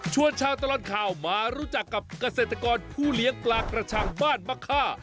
ชาวตลอดข่าวมารู้จักกับเกษตรกรผู้เลี้ยงปลากระชังบ้านมะค่า